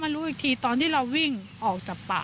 ทำไมคงคืนเขาว่าทำไมคงคืนเขาว่า